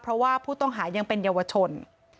เพราะว่าผู้ต้องหายังเป็นเยาวชน